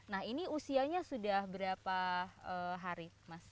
nah ini usianya sudah berapa hari mas